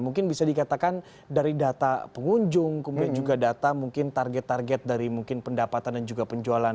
mungkin bisa dikatakan dari data pengunjung kemudian juga data mungkin target target dari mungkin pendapatan dan juga penjualan